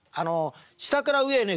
下から上へね